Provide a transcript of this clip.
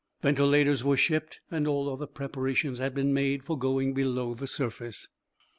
Ventilators were shipped, and all other preparations had been made for going below the surface.